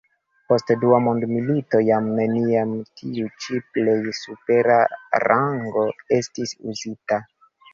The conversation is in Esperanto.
Post dua mondmilito jam neniam tiu ĉi plej supera rango estis uzita.